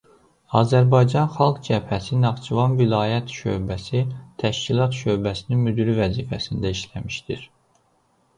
Azərbaycan Xalq Cəbhəsi Naxçıvan vilayət şöbəsi təşkilat şöbəsinin müdiri vəzifəsində işləmişdir.